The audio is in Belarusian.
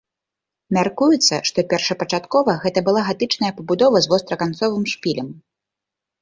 Мяркуецца, што першапачаткова гэта была гатычная пабудова з востраканцовым шпілем.